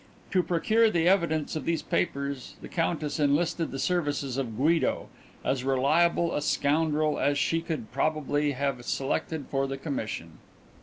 To procure the evidence of these papers the Countess enlisted the services of Guido, as reliable a scoundrel as she could probably have selected for the commission.